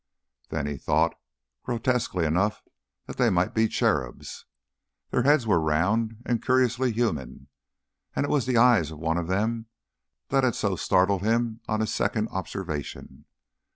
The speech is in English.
Then he thought, grotesquely enough, that they might be cherubs. Their heads were round, and curiously human, and it was the eyes of one of them that had so startled him on his second observation.